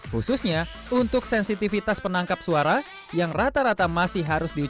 khususnya untuk sensitivitas penangkap suara yang rata rata masih harus diucapkan dengan suara yang sederhana